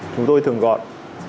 chúng tôi thường gọn